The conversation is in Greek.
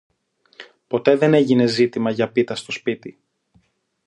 Ποτέ δεν έγινε ζήτημα για πίτα στο σπίτι.